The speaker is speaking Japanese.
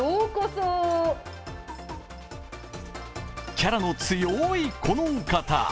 キャラの強いこのお方。